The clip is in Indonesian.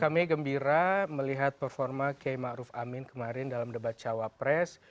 kami gembira melihat performa k ma'ruf amin kemarin dalam debat cawa press